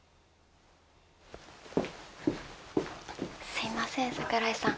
すいません櫻井さん